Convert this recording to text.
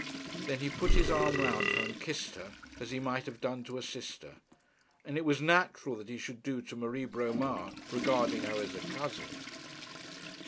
Then he put his arm round her and kissed her, as he might have done to a sister, as it was natural that he should do to Marie Bromar, regarding her as a cousin.